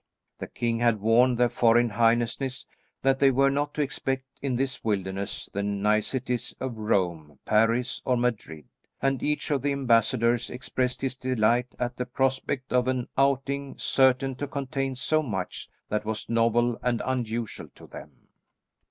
The king had warned their foreign Highnesses that they were not to expect in this wilderness the niceties of Rome, Paris or Madrid, and each of the ambassadors expressed his delight at the prospect of an outing certain to contain so much that was novel and unusual to them.